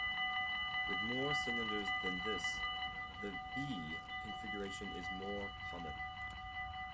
With more cylinders than this, the vee configuration is more common.